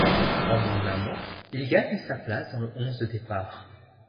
En moins d'un mois, il gagne sa place dans le onze de départ.